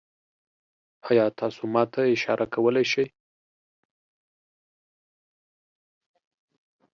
ایا تاسو ما ته اشاره کولی شئ؟